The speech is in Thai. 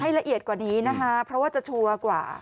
ละเอียดกว่านี้นะคะเพราะว่าจะชัวร์กว่า